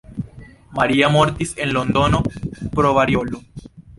Maria mortis en Londono pro variolo.